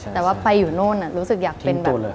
แต่ว่าไปอยู่โน่นรู้สึกอยากเป็นแบบ